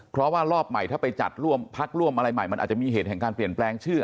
เพราะว่ารอบใหม่ถ้าไปจัดร่วมพักร่วมอะไรใหม่มันอาจจะมีเหตุแห่งการเปลี่ยนแปลงชื่อ